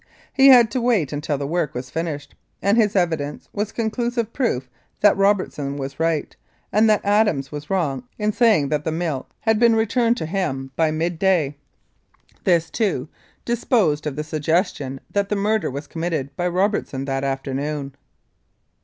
He had to wait until the work was finished, and his evidence was conclusive proof that Robertson was right, and that Adams was wrong in saying that the mill had been returned to him by mid 248 The Tucker Peach Murder day. This, too, disposed of the suggestion that the murder was committed by Robertson that afternoon.